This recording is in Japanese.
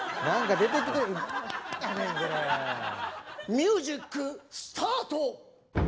ミュージックスタート！